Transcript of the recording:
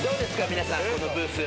皆さんこのブース。